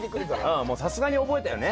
うんもうさすがに覚えたよね。